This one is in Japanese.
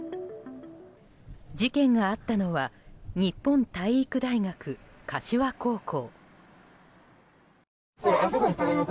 事件があったのは日本体育大学柏高校。